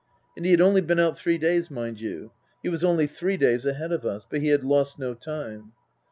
And he had only been out three days, mind you. He was only three days ahead of us. But he had lost no time.